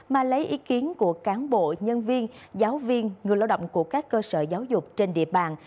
mà lấy ý kiến của cán bộ nhân viên giáo viên người lao động của các cơ sở giáo dục trên địa bàn